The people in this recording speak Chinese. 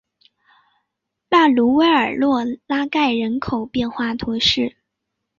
拉卢维埃洛拉盖人口变化图示